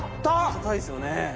硬いですよね。